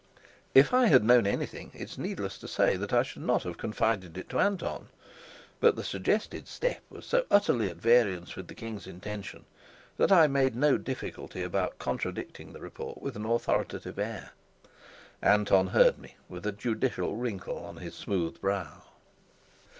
If I had known anything, it is needless to say that I should not have confided it to Anton. But the suggested step was so utterly at variance with the king's intentions that I made no difficulty about contradicting the report with an authoritative air. Anton heard me with a judicial wrinkle on his smooth brow.